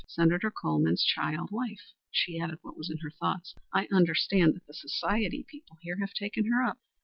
Senator Colman's child wife." She added what was in her thoughts, "I understand that the society people here have taken her up."